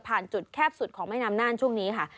จุดแคบสุดของแม่น้ำน่านช่วงนี้ค่ะ